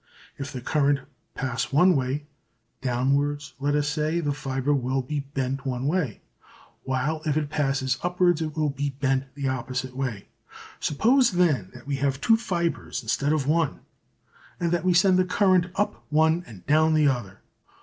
If the current pass one way, downwards let us say, the fibre will be bent one way, while if it pass upwards it will be bent the opposite way. Suppose then that we have two fibres instead of one, and that we send the current up one and down the other.